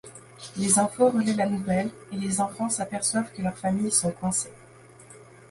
Les infos relaient la nouvelle, et les enfants s'aperçoivent que leurs familles sont coincées.